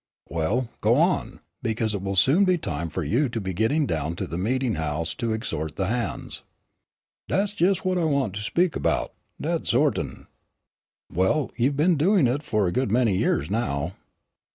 "Well, go on, because it will soon be time for you to be getting down to the meeting house to exhort the hands." "Dat's jes' what I want to speak 'bout, dat 'zortin'." "Well, you've been doing it for a good many years now."